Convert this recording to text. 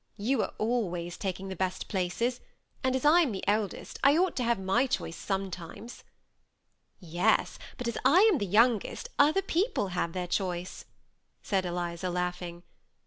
You are always taking the best places ; and as I am the eldest, I ought to have my choice sometimes." THE SEMI ATTACHED COUPLE, 43 " Yes ; but as I am the youngest, other people have their choice/' said Eliza, laughing.